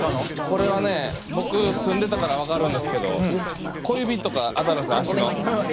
これはね僕住んでたから分かるんですけど小指とか当たるんすよ